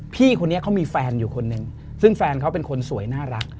พี่คนนี้เขามีแฟนอยู่คนหนึ่งซึ่งแฟนเขาเป็นคนสวยน่ารัก